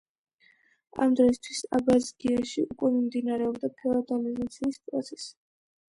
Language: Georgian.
ამ დროისთვის აბაზგიაში უკვე მიმდინარეობდა ფეოდალიზაციის პროცესი.